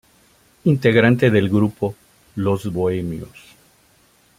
Integrante del grupo "Los Bohemios".